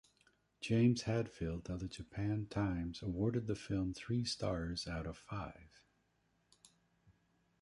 James Hadfield of "The Japan Times" awarded the film three stars out of five.